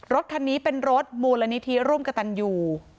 รถคันนี้เป็นรถมูลนิธิร่วมกระตันอยู่